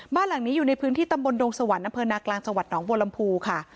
บ้านหลังนี้อยู่ในพื้นที่ตำบลดงสวรรค์อำเภอนากลางจังหวัดหนองบัวลำพูค่ะ